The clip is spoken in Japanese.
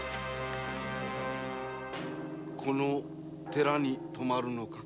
この寺に泊まるのか？